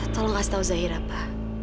tolong kasih tau zahira pa